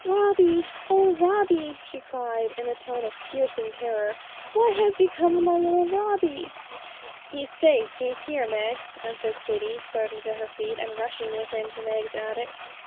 'Robbie! oh, Robbie!' she cried, in a tone of piercing terror, 'what has become of my little Robbie?' 'He's safe, he's here, Meg,' answered Kitty, starting to her feet, and rushing with him to Meg's attic.